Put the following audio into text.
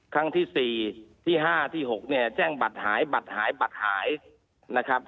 ครั้งที่๔ที่๕ที่๖เนี่ยแจ้งบัตรหายบัตรหายบัตรหายนะครับ